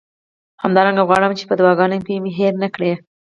همدارنګه غواړم چې په دعاګانو کې مې هیر نه کړئ.